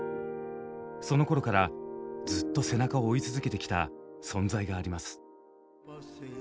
そのころからずっと背中を追い続けてきた存在があります。